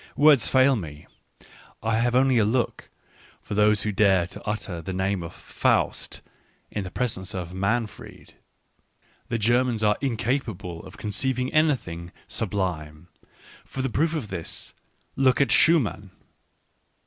Words fail me, I have only a look, for those who dare to utter the name of Faust in the presence of Manfred. The Germans are incapable of conceiving anything sub lime : for a proof of this, look at Schumann